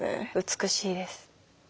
美しいです。